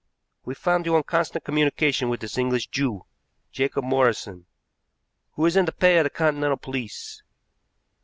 We found you in constant communication with this English Jew, Jacob Morrison, who is in the pay of the Continental police.